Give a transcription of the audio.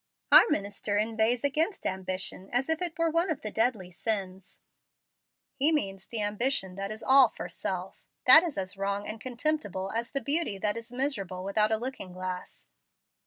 "Our minister inveighs against ambition, as if it were one of the deadly sins." "He means the ambition that is all for self. That is as wrong and contemptible as the beauty that is miserable without a looking glass.